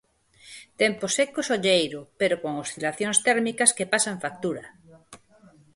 Tempo seco e solleiro, pero con oscilacións térmicas que pasan factura.